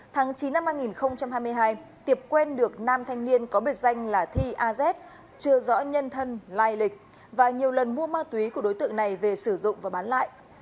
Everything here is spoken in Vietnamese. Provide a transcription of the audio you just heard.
tháng chín năm hai nghìn hai mươi hai tiệp quen được nam thanh niên có biệt danh là thi az chưa rõ nhân thân lai lịch và nhiều lần mua ma túy của đối tượng này về sử dụng và bán lại